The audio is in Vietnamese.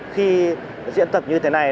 khi diễn tập như thế này